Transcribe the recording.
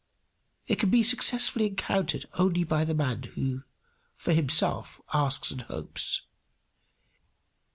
It can be successfully encountered only by the man who for himself asks and hopes.